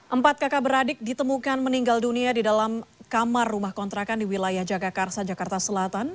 empat kakak beradik ditemukan meninggal dunia di dalam kamar rumah kontrakan di wilayah jagakarsa jakarta selatan